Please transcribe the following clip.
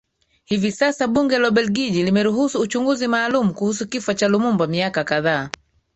Hivi sasa Bunge la Ubeligiji limeruhusu uchunguzi maalumu kuhusu Kifo cha Lumumba miaka kadhaa